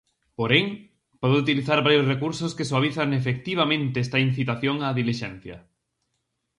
Porén, pode utilizar varios recursos que suavizan efectivamente esta incitación á dilixencia.